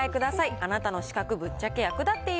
あなたの資格、ぶっちゃけ役立っている？